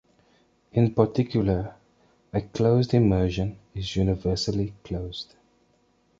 In particular, a closed immersion is universally closed.